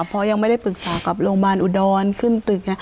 เพราะยังไม่ได้ปรึกษากับโรงพยาบาลอุดรขึ้นตึก